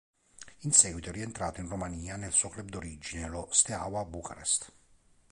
In seguito è rientrato in Romania nel suo club d'origine, lo Steaua Bucarest.